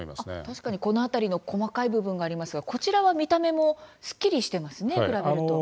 確かに、この辺りの細かい部分がありますがこちらは見た目もすっきりしてますね、比べると。